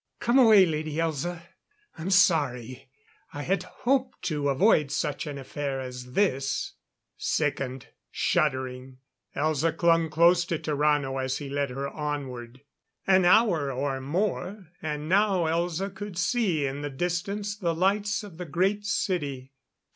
"Come away, Lady Elza. I'm sorry. I had hoped to avoid an affair such as this." Sickened, shuddering, Elza clung close to Tarrano as he led her onward. An hour or more; and now Elza could see in the distance the lights of the Great City.